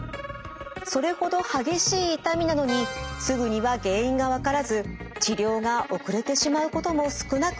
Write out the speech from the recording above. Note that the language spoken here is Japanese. それほど激しい痛みなのにすぐには原因が分からず治療が遅れてしまうことも少なくないといいます。